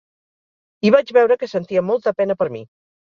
I vaig veure que sentia molta pena per mi.